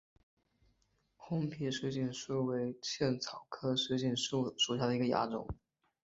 红皮水锦树为茜草科水锦树属下的一个亚种。